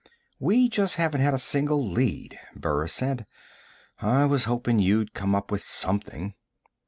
"We just haven't had a single lead," Burris said. "I was hoping you'd come up with something.